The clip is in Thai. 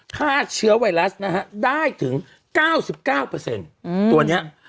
ฆ่าเชื้อไวรัสนะฮะได้ถึง๙๙ตัวนี้